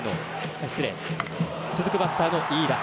続くバッターの飯田。